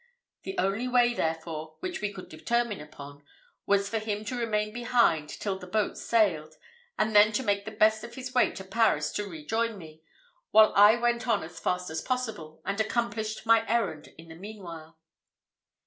The only way, therefore, which we could determine upon, was for him to remain behind till the boat sailed, and then to make the best of his way to Paris to rejoin me, while I went on as fast as possible, and accomplished my errand in the meanwhile.